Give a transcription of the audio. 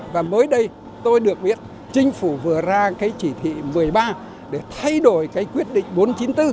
và mới đây tôi được biết chính phủ vừa ra cái chỉ thị một mươi ba để thay đổi cái quyết định bốn trăm chín mươi bốn